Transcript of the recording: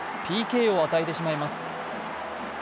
ＰＫを与えてしまいます。